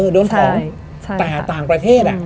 โดนของแต่ต่างประเทศ